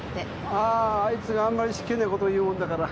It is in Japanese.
あーあいつがあんまり失敬なこと言うもんだから。